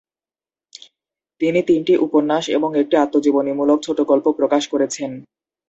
তিনি তিনটি উপন্যাস এবং একটি আত্মজীবনীমূলক ছোট গল্প প্রকাশ করেছেন।